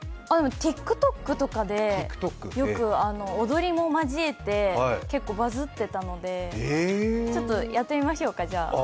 ＴｉｋＴｏｋとかでよく踊りも交えて結構、バズってたのでちょっとやってみましょうかじゃあ。